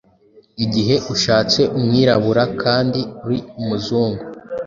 igihe ushatse umwirabura kandi uri umuzungu